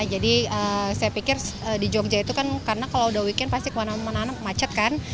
jadi saya pikir di jogja itu kan karena kalau udah weekend pasti kemana mana macet kan